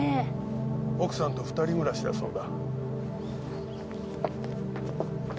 奥さんと２人暮らしだそうだ。